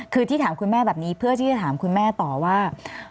คือที่ถามคุณแม่แบบนี้เพื่อที่จะถามคุณแม่ต่อว่า